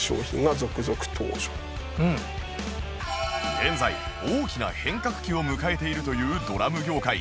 現在大きな変革期を迎えているというドラム業界